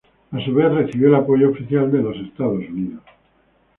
A su vez, recibió el apoyo oficial de los Estados Unidos.